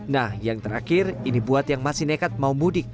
nah yang terakhir ini buat yang masih nekat mau mudik